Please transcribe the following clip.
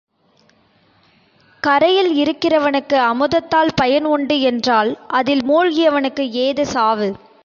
கரையில் இறக்கிறவனுக்கு அமுதத்தால் பயன் உண்டு என்றால் அதில் மூழ்கியவனுக்கு ஏது சாவு?